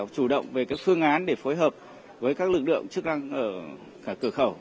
chủ động về các phương án để phối hợp với các lực lượng trước răng ở cửa khẩu